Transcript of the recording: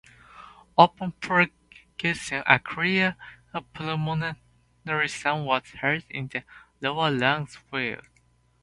Upon percussion, a clear pulmonary sound was heard in the lower lung fields.